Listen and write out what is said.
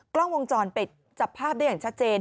กล้องวงจรปิดจับภาพได้อย่างชัดเจน